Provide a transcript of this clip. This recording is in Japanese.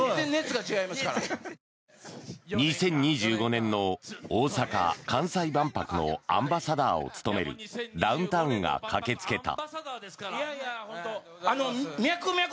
２０２５年の大阪・関西万博のアンバサダーを務めるダウンタウンが駆けつけた。